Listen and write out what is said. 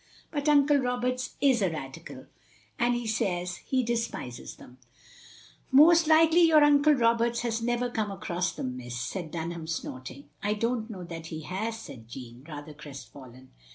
But Uncle Roberts is a Radical, and he says he despises them. " "Most likely your tincle Roberts has never come across them, miss, " said Dunham, snorting. "I don't know that he has," said Jeanne, rather crestfallen.